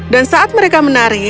dan saat mereka menari